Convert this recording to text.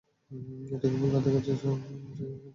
এটা কেবল তাদের কাছেই যায় ওকে ডাকে।